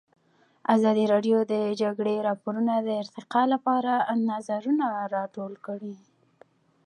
ازادي راډیو د د جګړې راپورونه د ارتقا لپاره نظرونه راټول کړي.